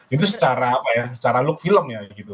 itu secara apa ya secara look film ya gitu